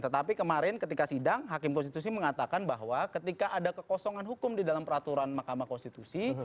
tetapi kemarin ketika sidang hakim konstitusi mengatakan bahwa ketika ada kekosongan hukum di dalam peraturan mahkamah konstitusi